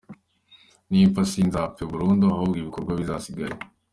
Ninpfa sinzapfe burundu ahubwo ibikorwa bizasigare”.